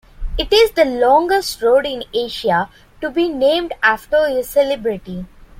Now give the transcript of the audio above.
It is the longest road in Asia to be named after a celebrity.